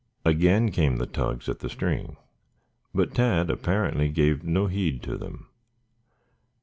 Again came the tugs at the string. But Tad apparently gave no heed to them.